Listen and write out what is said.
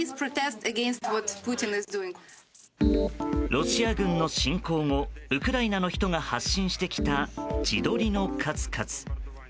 ロシア軍の侵攻後ウクライナの人が発信してきた自撮りの数々。